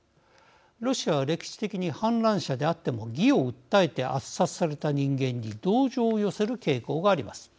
ロシアは、歴史的に反乱者であっても義を訴えて圧殺された人間に同情を寄せる傾向があります。